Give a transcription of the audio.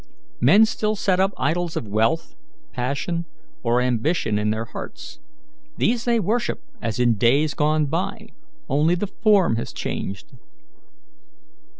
"Men still set up idols of wealth, passion, or ambition in their hearts. These they worship as in days gone by, only the form has changed."